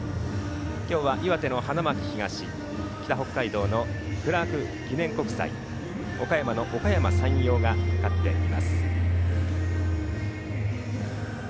今日は岩手の花巻東北北海道のクラーク記念国際岡山のおかやま山陽が勝っています。